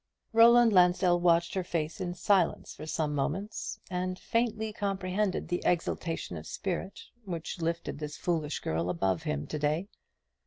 Roland Lansdell watched her face in silence for some moments, and faintly comprehended the exaltation of spirit which lifted this foolish girl above him to day.